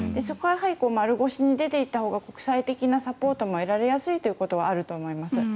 そこはやはり丸腰に出ていったほうが国際的なサポートも得られやすいということはあると思います。